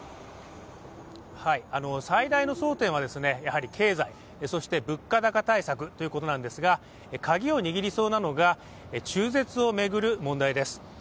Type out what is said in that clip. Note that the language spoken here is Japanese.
最大の争点はやはり経済、そして物価高対策ということなんですが、カギを握りそうなのが中絶を巡る問題です。